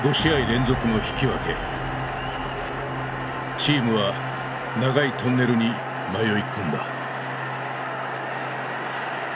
チームは長いトンネルに迷い込んだ。